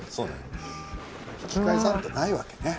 引き返さんとないわけね。